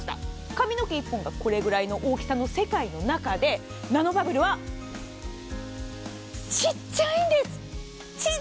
髪の毛１本がこれくらいの大きさの世界の中で、ナノバブルはちっちゃいんです。